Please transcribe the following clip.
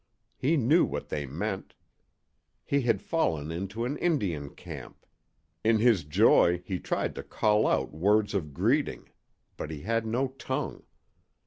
He knew what they meant. He had fallen into an Indian camp. In his joy he tried to call out words of greeting, but he had no tongue.